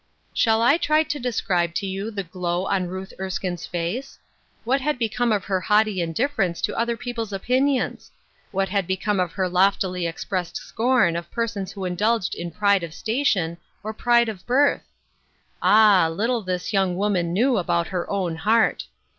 Shall I try to describe to you the glow on Ruth Erskine's face ? What had become of her haughty indifference to other people's opinions? What had become of her loftily expressed scorn of persons who indulged in pride of station, or pride of birth ? Ah ! little this young woman knew about her own heart.